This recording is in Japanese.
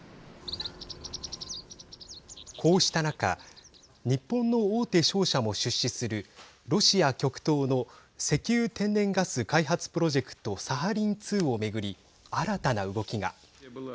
こうした中日本の大手商社も出資するロシア極東の石油・天然ガス開発プロジェクトサハリン２を巡り新たな動きが。